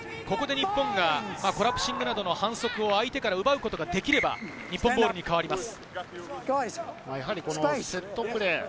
日本はコラプシングなどの反則を反則を相手から奪うことができれば、日本ボールに変わります。